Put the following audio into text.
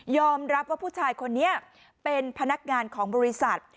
รับว่าผู้ชายคนนี้เป็นพนักงานของบริษัท